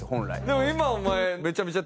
でも今お前。